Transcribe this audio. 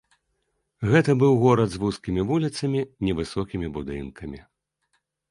Гэта быў горад з вузкімі вуліцамі, невысокімі будынкамі.